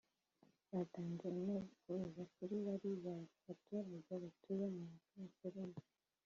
Batanze integuza kuri bariya baturage batuye mu kanserege